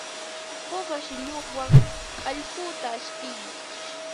Puma shillunwan allquta ashpin.